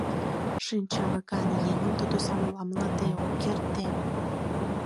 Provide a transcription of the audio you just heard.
Шинчалыкан еҥым тудо саламлыде ок эрте.